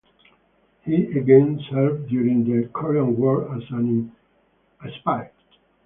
He again served during the Korean War as an intelligence officer.